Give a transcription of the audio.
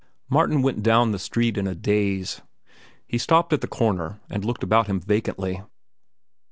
Martin went down the street in a daze. He stopped at the corner and looked about him vacantly.